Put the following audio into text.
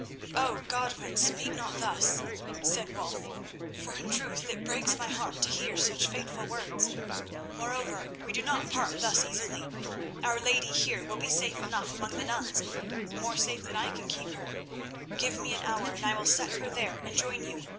"Oh! Godwin, speak not thus," said Wulf, "for in truth it breaks my heart to hear such fateful words. Moreover, we do not part thus easily. Our lady here will be safe enough among the nuns—more safe than I can keep her. Give me an hour, and I will set her there and join you.